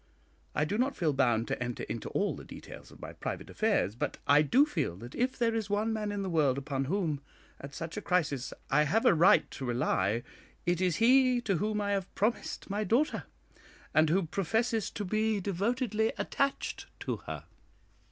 I do not feel bound to enter into all the details of my private affairs, but I do feel that if there is one man in the world upon whom, at such a crisis, I have a right to rely, it is he to whom I have promised my daughter, and who professes to be devotedly attached to her."